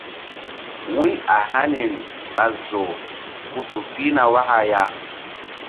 Wu̧y a haniri ɓa zoh ku tu pihna waka ya.